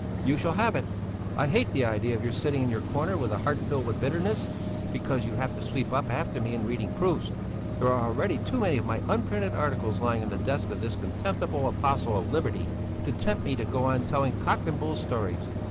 You shall have it! I hate the idea of your sitting in your corner with a heart filled with bitterness, because you have to sweep up after me in reading proofs. There are already too many of my unprinted articles lying on the desk of this contemptible apostle of liberty to tempt me to go on telling cock and bull stories.